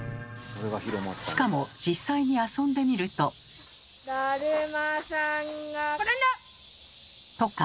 しかも実際に遊んでみると。とか。